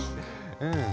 うん。